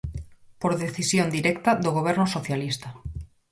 Por decisión directa do Goberno Socialista.